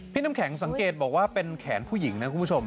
น้ำแข็งสังเกตบอกว่าเป็นแขนผู้หญิงนะคุณผู้ชม